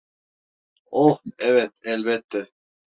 Oh, evet, elbette.